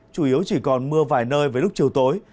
chủ yếu chỉ còn mưa vài nơi với lúc chiều tối